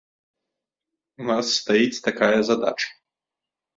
У нас стаіць такая задача.